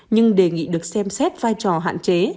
nhưng đề nghị được xem xét vai trò hạn chế